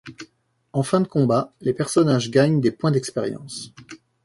En fin de combat, les personnages gagnent des points d'expérience.